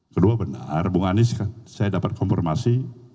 kedua benar bung anies saya dapat konfirmasi